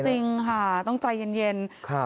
จริงค่ะต้องใจเย็น